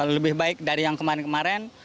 lebih baik dari yang kemarin kemarin